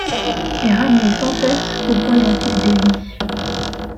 Et ramené sans cesse au point dont il dévie